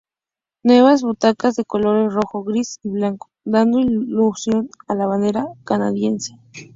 Nuevas butacas de colores Rojo, Gris y blanco, dando ilusión a la Bandera canadiense.